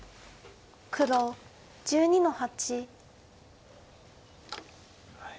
黒１２の八。